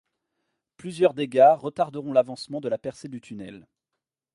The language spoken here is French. Plusieurs dégâts retarderont l'avancement de la percée du tunnel.